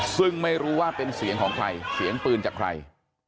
ซึ่งไม่รู้ว่าเป็นเสียงของใครเสียงปืนจากใคร